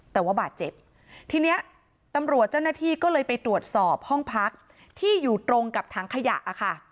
แต่ว่าบาดเจ็บทีเนี้ยตำรวจเจ้าหน้าที่ก็เลยไปตรวจสอบห้องพักที่อยู่ตรงกับถังขยะค่ะ